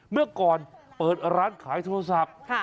เมื่อก่อนเปิดร้านขายโทรศัพท์